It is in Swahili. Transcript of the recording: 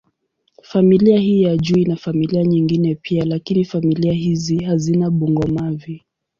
Familia hii ya juu ina familia nyingine pia, lakini familia hizi hazina bungo-mavi.